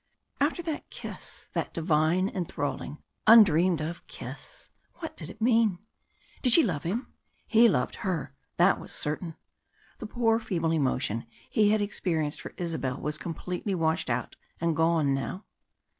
After that kiss that divine, enthralling, undreamed of kiss. What did it mean? Did she love him? He loved her, that was certain. The poor feeble emotion he had experienced for Isabella was completely washed out and gone now.